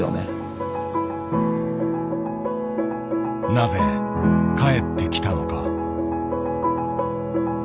なぜ帰ってきたのか。